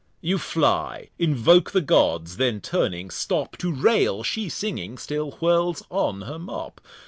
You fly, invoke the Gods; then turning, stop To rail; she singing, still whirls on her Mop.